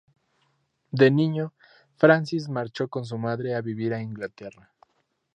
De niño, Francis marchó con su madre a vivir a Inglaterra.